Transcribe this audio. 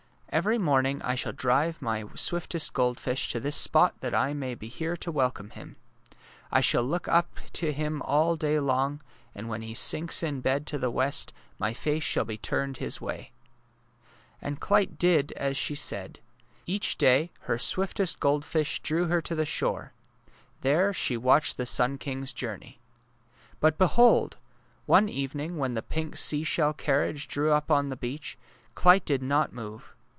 Every morning I shall drive my swiftest goldfish to this spot that I may be here to welcome him. I shall look up to him all day long, and when he sinks to bed in the west my face shall be turned his way! " And Clyte did as she said. Each day her swiftest goldfish drew her to the shore. There she watched the sim king's journey. But behold ! one evening when the pink sea shell carriage drew up on the beach, Clyte did not move.